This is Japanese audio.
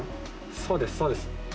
そうです、そうです。